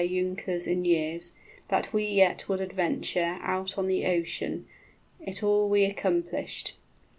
} Younkers in years) that we yet would adventure 40 Out on the ocean; it all we accomplished.